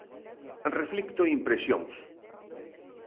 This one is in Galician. Reflicto impresións.